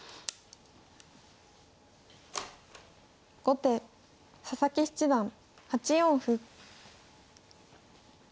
後手佐々木七段８四歩。